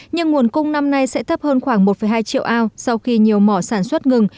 nhưng nguồn cung năm nay sẽ thấp hơn khoảng một hai triệu ao sau khi nhiều mỏ sản xuất ngừng